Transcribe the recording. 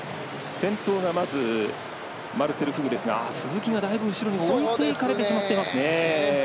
先頭がマルセル・フグですが鈴木が、だいぶ後ろに置いていかれてしまっていますね。